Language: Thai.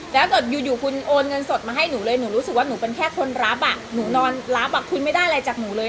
แล้วอยู่คุณโอนเงินสดมาให้หนูเลยหนูรู้สึกว่าหนูเป็นแค่คนรับอ่ะหนูนอนรับคุณไม่ได้อะไรจากหนูเลย